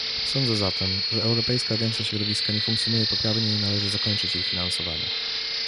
Sądzę zatem, że Europejska Agencja Środowiska nie funkcjonuje poprawnie i należy zakończyć jej finansowanie